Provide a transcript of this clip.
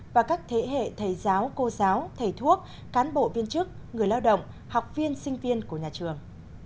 và các thế hệ thầy giáo cô giáo thầy thuốc cán bộ viên chức người lao động học viên sinh viên của nhà trường